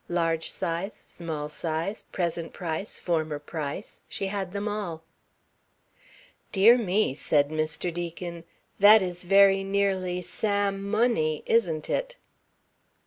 Large size, small size, present price, former price she had them all. "Dear me," said Mr. Deacon. "That is very nearly salmoney, isn't it?"